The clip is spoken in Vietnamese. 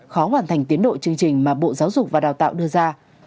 khó hoàn thành tiến độ chương trình mà bộ giáo dục và đào tạo đưa ra